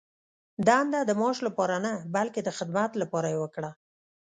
دنده د معاش لپاره نه، بلکې د خدمت لپاره یې وکړه.